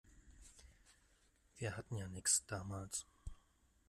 Wir hatten ja nix, damals.